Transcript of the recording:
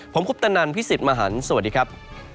ผมคุปตะนันพี่สิทธิ์มหันฯสวัสดีครับ